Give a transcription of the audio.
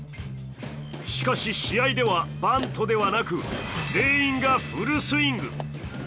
しかし、試合ではバントではなく全員がフルスイング。